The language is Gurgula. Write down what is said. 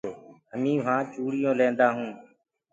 همينٚ وهآنٚ چوڙيو ليندآ هونٚ۔